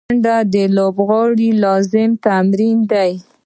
منډه د لوبغاړو لازمي تمرین دی